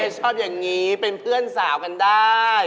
ชอบอย่างนี้เป็นเพื่อนสาวกันได้